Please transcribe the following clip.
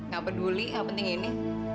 gak peduli yang penting ini